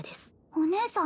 お義姉さん？